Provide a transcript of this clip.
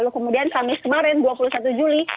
kemudian kamis kemarin dua puluh satu juli